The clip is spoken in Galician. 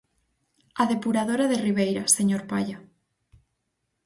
A depuradora de Ribeira, señor Palla.